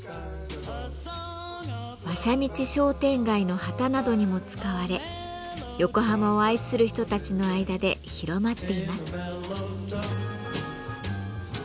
馬車道商店街の旗などにも使われ横浜を愛する人たちの間で広まっています。